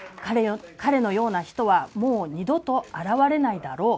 彼のような人はもう二度と現れないだろう。